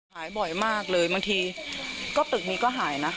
หายบ่อยมากเลยบางทีก็ตึกนี้ก็หายนะ